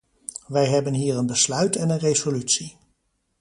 Wij hebben hier een besluit en een resolutie.